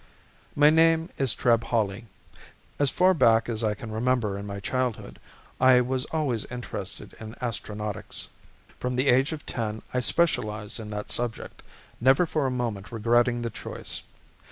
My name is Treb Hawley. As far back as I can remember in my childhood, I was always interested in astronautics. From the age of ten I specialized in that subject, never for a moment regretting the choice.